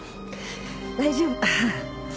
大丈夫。